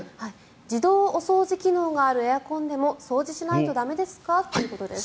自動お掃除機能があるエアコンでも掃除しないと駄目ですか？ということです。